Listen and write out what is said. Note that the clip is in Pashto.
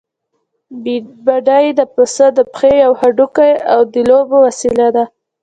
بېډۍ د پسه د پښې يو هډوکی او د لوبو وسيله ده.